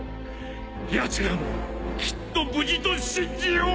やつらもきっと無事と信じよう！